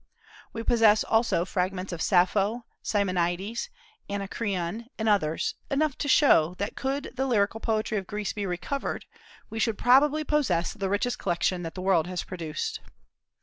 We possess also fragments of Sappho, Simonides, Anacreon, and others, enough to show that could the lyrical poetry of Greece be recovered, we should probably possess the richest collection that the world has produced.